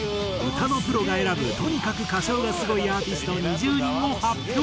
歌のプロが選ぶとにかく歌唱がスゴいアーティスト２０人を発表！